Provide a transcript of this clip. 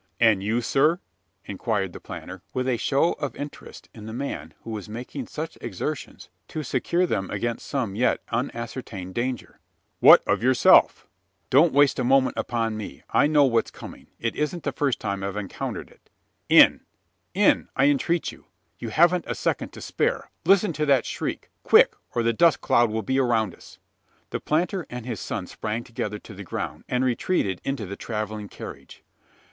"And you, sir?" inquired the planter, with a show of interest in the man who was making such exertions to secure them against some yet unascertained danger. "What of yourself?" "Don't waste a moment upon me. I know what's coming. It isn't the first time I have encountered it. In in, I entreat you! You haven't a second to spare. Listen to that shriek! Quick, or the dust cloud will be around us!" The planter and his son sprang together to the ground; and retreated into the travelling carriage.